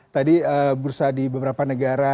tadi bursa di beberapa negara